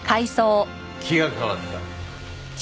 気が変わった。